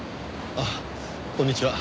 あっこんにちは。